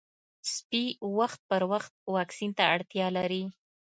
سپي وخت پر وخت واکسین ته اړتیا لري.